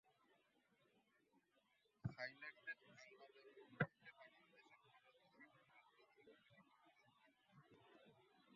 থাইল্যান্ডের আন্দোলন থেকে বাংলাদেশের ক্ষমতাসীন ও বিরোধী দলের অনেক কিছু শেখার আছে।